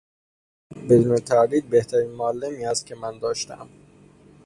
بدون تردید بهترین معلمی است که من داشتهام.